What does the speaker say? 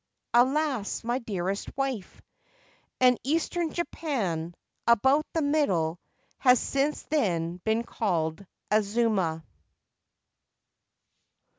(Alas, my dearest wife !); and Eastern Japan, about the middle, has since then been called * Azuma.'